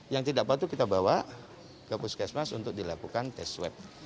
yang tidak patuh kita bawa ke puskesmas untuk dilakukan tes swab